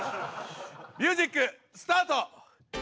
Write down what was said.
ミュージックスタート！